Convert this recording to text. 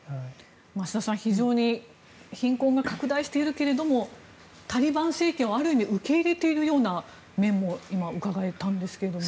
増田さん、非常に貧困が拡大しているけれどもタリバン政権を、ある意味受け入れているような面も今はうかがえたんですけども。